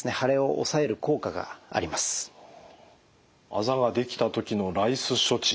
あざができた時のＲＩＣＥ処置。